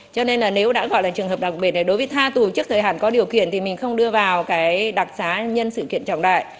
cho nên là nếu đã gọi là trường hợp đặc biệt là đối với tha tù trước thời hạn có điều kiện thì mình không đưa vào cái đặc xá nhân sự kiện trọng đại